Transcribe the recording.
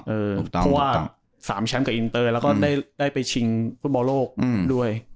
เพราะว่า๓แชมป์กับอินเตอร์แล้วก็ได้ไปชิงฟุตบอลโลกด้วย